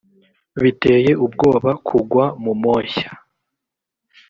biteye ubwoba kugwa mu moshya